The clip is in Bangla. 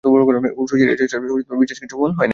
শশীর এ চেষ্টার বিশেষ কিছু ফল হয় নাই।